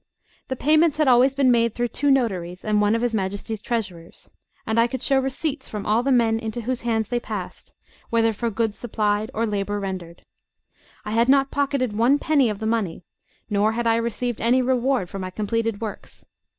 The payments had always been made through two notaries and one of his Majesty's treasurers; and I could show receipts from all the men into whose hands they passed, whether for goods supplied or labour rendered. I had not pocketed one penny of the money, nor had I received any reward for my completed works.